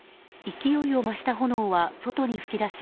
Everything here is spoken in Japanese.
勢いを増した炎は外に噴き出し